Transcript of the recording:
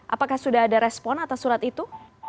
apakah sudah ada respon atas surat itu